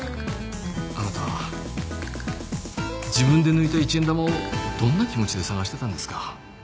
あなたは自分で抜いた１円玉をどんな気持ちで探してたんですか？